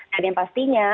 dan yang pastinya